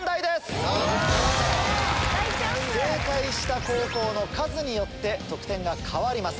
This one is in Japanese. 正解した高校の数によって得点が変わります。